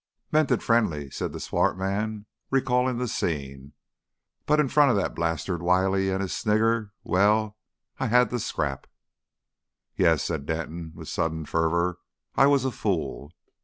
"Meant it friendly," said the swart man, recalling the scene; "but in front of that blarsted Whitey and his snigger Well I 'ad to scrap." "Yes," said Denton with sudden fervour: "I was a fool."